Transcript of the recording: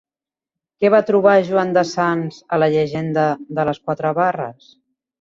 Què va trobar Joan de Sans a la llegenda de les quatre barres?